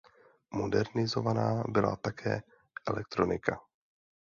Modernizována byla také elektronika.